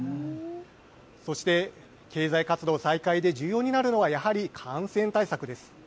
そして、経済活動再開で重要になるのはやはり、感染対策です。